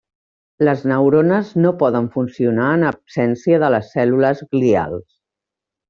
Les neurones no poden funcionar en absència de les cèl·lules glials.